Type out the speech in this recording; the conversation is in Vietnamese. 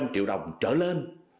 năm trăm linh triệu đồng trở lên